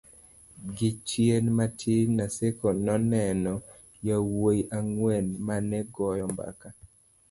gi chien matin Naseko noneno yawuyi ang'wen manegoyo mbaka